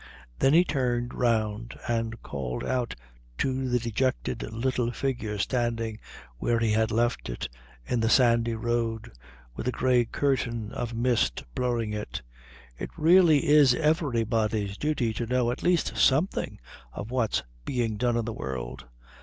Then he turned round and called out to the dejected little figure standing where he had left it in the sandy road with the grey curtain of mist blurring it: "It really is everybody's duty to know at least something of what's being done in the world."